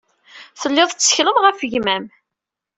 Telliḍ tettekleḍ ɣef gma-m.